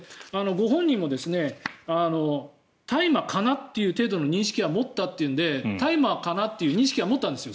ご本人も大麻かな？という程度の認識は持ったというので大麻かなという認識は持ったんですよ。